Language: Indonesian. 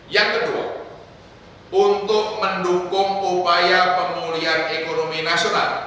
yang kedua untuk mendukung upaya pemulihan ekonomi nasional